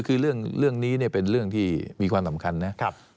คือเรื่องนี้เป็นเรื่องที่มีความสำคัญนะ